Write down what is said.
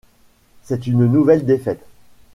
C'est une nouvelle défaite.